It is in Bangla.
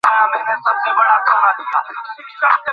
তাদের মাঝে ছিল আবু জাহেল ও উবা ইবনে রবীয়া।